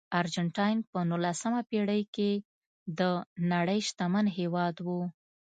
ارجنټاین په نولسمه پېړۍ کې د نړۍ شتمن هېواد و.